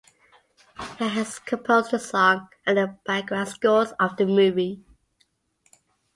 He has composed the song and did the background scores of the movie.